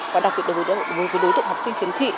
và đặc biệt đối với đối tượng học sinh khiếm thị